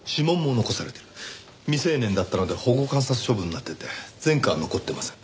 未成年だったので保護観察処分になっていて前科は残ってません。